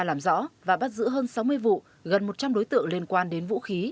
làm rõ và bắt giữ hơn sáu mươi vụ gần một trăm linh đối tượng liên quan đến vũ khí